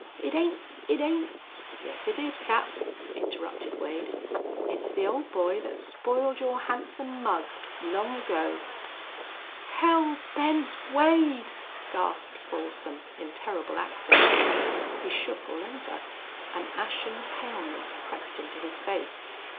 It ain't it ain't " "Yes, it is, Cap," interrupted Wade. "It's the old boy that spoiled your handsome mug long ago." "Hell Bent Wade!" gasped Folsom, in terrible accents. He shook all over. An ashen paleness crept into his face.